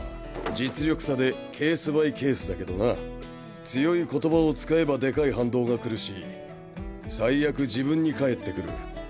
実力差でケース・バイ・ケースだけどな強い言葉を使えばでかい反動が来るし最悪自分に返ってくる。